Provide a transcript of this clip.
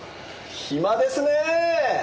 暇ですね！